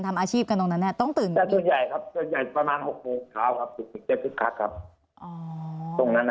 ทำอาชีพกันตรงนั้นต้องตื่นฝนใหญ่ประมาณ๖โมงขาว